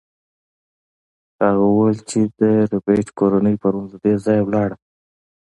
هغې وویل چې د ربیټ کورنۍ پرون له دې ځایه لاړه